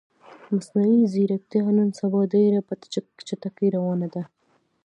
مصنوعی ځیرکتیا نن سبا ډیره په چټکې روانه ده